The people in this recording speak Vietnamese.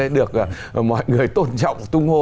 được mọi người tôn trọng tung hô